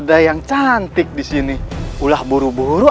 terima kasih ibu